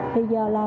thì giờ là